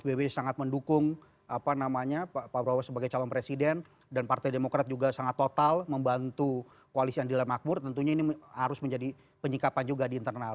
pak b sangat mendukung pak prabowo sebagai calon presiden dan partai demokrat juga sangat total membantu koalisi andi makmur tentunya ini harus menjadi penyikapan juga di internal